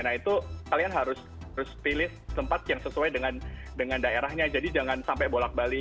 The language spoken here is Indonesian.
nah itu kalian harus pilih tempat yang sesuai dengan daerahnya jadi jangan sampai bolak balik